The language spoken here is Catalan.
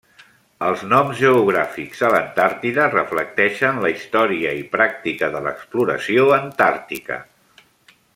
Els noms geogràfics a Antàrtida reflecteixen la història i pràctica de l'exploració antàrtica.